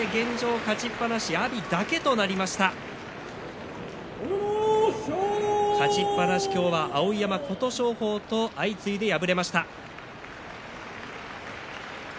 勝ちっぱなし、今日は碧山琴勝峰と相次いで敗れました。